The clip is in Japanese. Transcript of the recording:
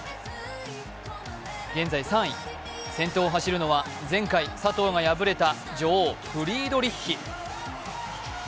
現在３位、先頭を走るのは前回、佐藤が敗れた女王、フリードリッヒ。